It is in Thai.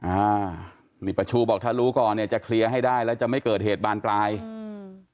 อ่านี่ประชูบอกถ้ารู้ก่อนเนี้ยจะเคลียร์ให้ได้แล้วจะไม่เกิดเหตุบานปลายอืม